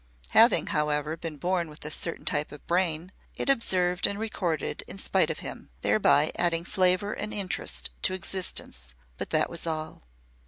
Having, however, been born with a certain type of brain, it observed and recorded in spite of him, thereby adding flavour and interest to existence. But that was all.